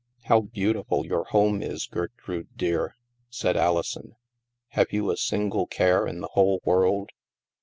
" How beautiful your home is, Gertrude dear,*' said Alison. " Have you a single care in the whole world?"